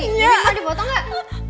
bibi mau dipoto gak